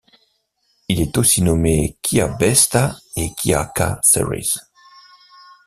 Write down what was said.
Il est aussi nommé Kia Besta et Kia K Series.